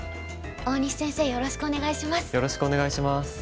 大西先生よろしくお願いします。